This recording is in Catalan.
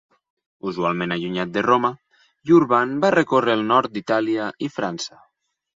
Usualment allunyat de Roma, Urban va recórrer el nord d'Itàlia i França.